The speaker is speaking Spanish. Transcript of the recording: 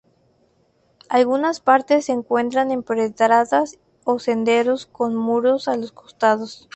Algunas partes se encuentran empedradas o senderos con muros a los costados.